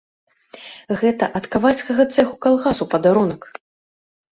Гэта ад кавальскага цэха калгасу падарунак!